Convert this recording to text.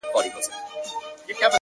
خلګ راغله و قاضي ته په فریاد سوه,